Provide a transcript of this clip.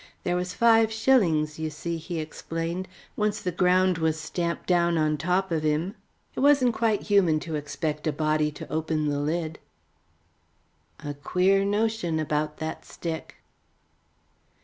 "There was five shillings, you see," he explained, "once the ground was stamped down on top of him. It wasn't quite human to expect a body to open the lid." "A queer notion about that stick."